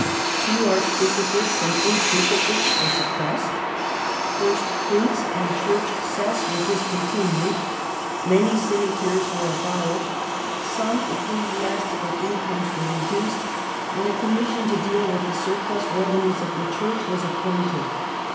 Two Arch bishoprics and eight Bishoprics were suppressed ; first fruits and Church cess were discontinued ; many sinecures were abolished ; some ecclesiastical incomes were reduced ; and a commission to deal with the surplus revenues of the Church was appointed.